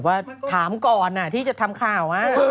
หลุมเขาวิเคราะห์อยู่